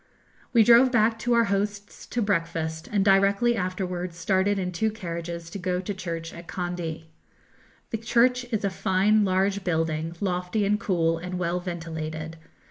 We drove back to our host's to breakfast, and directly afterwards started in two carriages to go to church at Kandy. The church is a fine large building, lofty, and cool, and well ventilated.